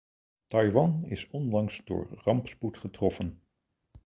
Taiwan is onlangs door rampspoed getroffen.